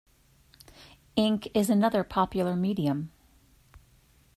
Ink is another popular medium.